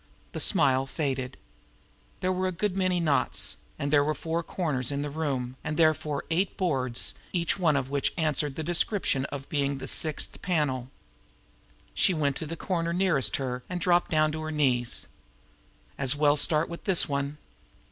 The smile faded. There were a good many knots; and there were four corners to the room, and therefore eight boards, each one of which would answer to the description of being the "sixth panel." She went to the corner nearest her, and dropped down on her knees. As well start with this one!